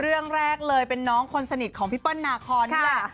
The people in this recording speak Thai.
เรื่องแรกเลยเป็นน้องคนสนิทของพี่เปิ้ลนาคอนนี่แหละ